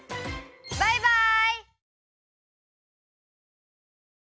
バイバイ！